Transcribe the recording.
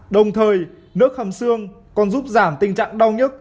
đồng thời nước hầm xương còn giúp giảm tình trạng đau nhức